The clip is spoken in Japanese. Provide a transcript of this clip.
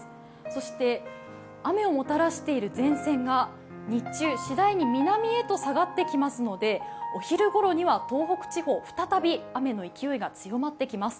そして、雨をもたらしている前線が日中、しだいに南へと下がってきますので、お昼ごろには東北地方、再び、雨の勢いが強まっていきます。